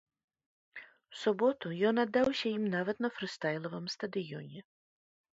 У суботу ён аддаўся ім нават на фрыстайлавым стадыёне.